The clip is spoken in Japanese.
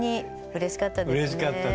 うれしかったね。